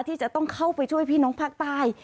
ที่จะต้องเข้าไปช่วยพี่น้องภาคใต้